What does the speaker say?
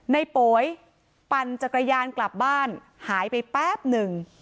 โป๋ยปั่นจักรยานกลับบ้านหายไปแป๊บหนึ่ง